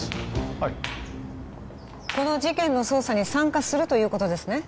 はいこの事件の捜査に参加するということですね？